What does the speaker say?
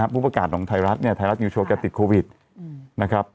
ผู้ประกาศของไทยรัฐเนี่ยไทยรัฐไทยรัฐนิวโชว์แกติดโควิดนะครับ